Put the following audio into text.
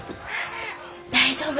大丈夫。